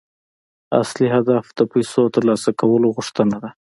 اصلي هدف د پيسو ترلاسه کولو غوښتنه ده.